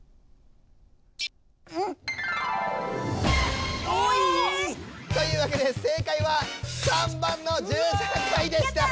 え⁉というわけで正解は３番の１３回でした。